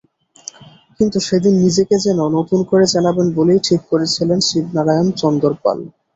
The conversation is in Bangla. কিন্তু সেদিন নিজেকে যেন নতুন করে চেনাবেন বলেই ঠিক করেছিলেন শিবনারায়ণ চন্দরপল।